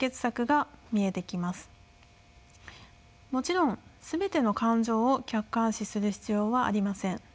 もちろん全ての感情を客観視する必要はありません。